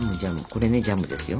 これねジャムですよ。